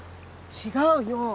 違うよ！